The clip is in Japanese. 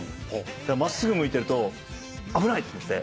だから真っすぐ向いてると危ないと思って。